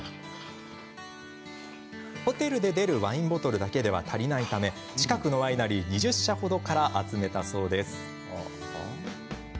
ホテルで出るワインボトルだけでは足りないため近くのワイナリー２０社程から集めたそうです。